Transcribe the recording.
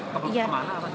mau ke kalongan